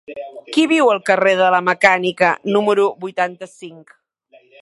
Qui viu al carrer de la Mecànica número vuitanta-cinc?